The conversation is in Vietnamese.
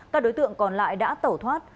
các đối tượng còn lại đã tẩu thoát